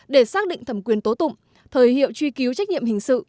để xác định thẩm quyền tố tụng thời hiệu truy cứu trách nhiệm hình sự